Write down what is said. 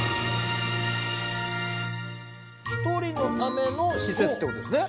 一人のための施設ってことですね